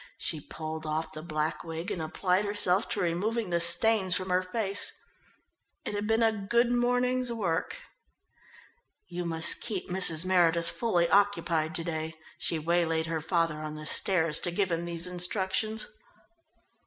She pulled off the black wig and applied herself to removing the stains from her face. It had been a good morning's work. "You must keep Mrs. Meredith fully occupied to day." She waylaid her father on the stairs to give him these instructions.